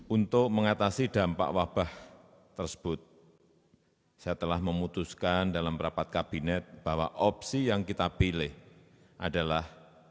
untuk mengatasi dampak wabah tersebut saya telah memutuskan dalam rapat kabinet bahwa opsi yang kita pilih adalah